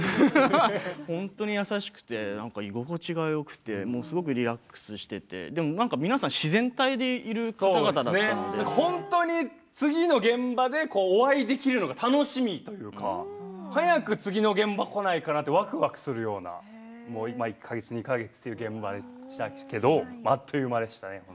本当に優しくて居心地がよくてすごくリラックスしていて皆さん自然体でいる方々だったので本当に次の現場でお会いできるのが楽しみというか早く次の現場こないかなとわくわくするような今、１か月２か月という現場でしたけどあっという間でしたね。